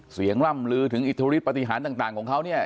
เสียงล่ำลือถึงอิทธุริตปฏิหารต่างของเขาเนี่ย